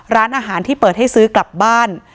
ร้านอาหารที่เปิดให้ซื้อกลับบ้าน